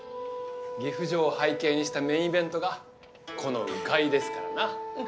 岐阜城を背景にしたメインイベントがこの鵜飼いですからな。